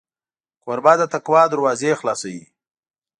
کوربه د تقوا دروازې خلاصوي.